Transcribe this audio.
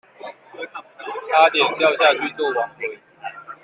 差點掉下去做亡魂